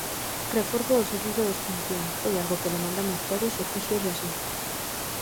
Reforzo do servizo de extinción, foi algo que demandamos todos e fíxose así.